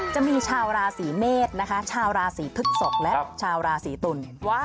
จะมีชาวราศีเมษนะคะชาวราศีพฤกษกและชาวราศีตุล